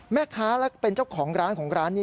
แม่ค้าและเป็นเจ้าของร้านของร้านนี้